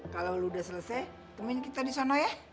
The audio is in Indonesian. kalau lu udah selesai temenin kita di sana ya